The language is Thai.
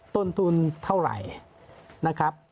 ต้นทุนเท่าไหร่นะครับ